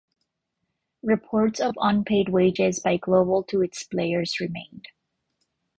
Reports of unpaid wages by Global to its players remained.